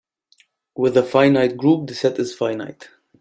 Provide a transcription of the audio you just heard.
With a finite group, the set is finite.